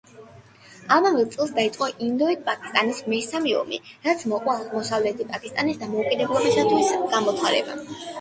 ამავე წელს დაიწყო ინდოეთ-პაკისტანის მესამე ომი, რასაც მოჰყვა აღმოსავლეთ პაკისტანის დამოუკიდებლობისათვის გამოცხადება.